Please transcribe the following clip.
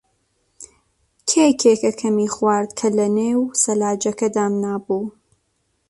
کێ کێکەکەمی خوارد کە لەنێو سەلاجەکە دامنابوو؟